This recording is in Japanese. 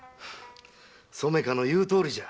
染香の言うとおりじゃ。